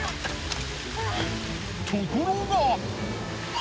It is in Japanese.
ところが。